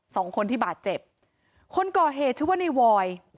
สองคนที่บาดเจ็บคนก่อเหตุชื่อว่าในวอย